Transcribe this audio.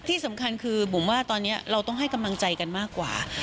ที่สำคัญคือบุ๋มว่าตอนนี้เราต้องให้กำลังใจกันมากกว่า